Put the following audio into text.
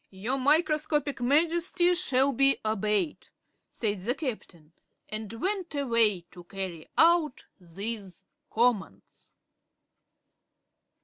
"Your Microscopic Majesty shall be obeyed," said the Captain, and went away to carry out these commands.